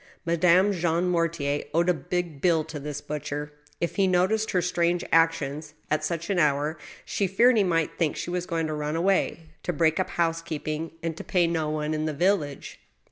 Madame Jean Mortier owed a big bill to this butcher. If he noticed her strange actions at such an hour, she feared he might think she was going to run away — to break up housekeeping, and to pay ho one in the village.